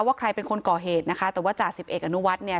ว่าใครเป็นคนก่อเหตุนะคะแต่ว่าจ่าสิบเอกอนุวัฒน์เนี่ย